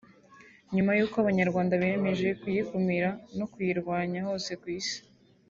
nyuma y’uko Abanyarwanda biyemeje guyikumira no kuyirwanya hose ku Isi